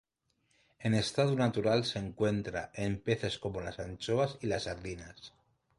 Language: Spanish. En estado natural se encuentra en peces como las anchoas y las sardinas.